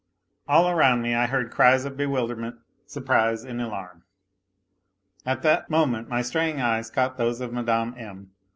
All around me I heard cried of bewilderment, surprise, and alarm. At that moment my straying eyes caught those of Mme. M.